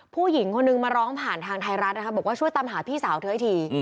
ผู้หญิงคนนึงมาร้องผ่านทางไทยรัฐนะคะบอกว่าช่วยตามหาพี่สาวเธอให้ที